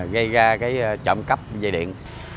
gây ra cái trộm cắp dây điện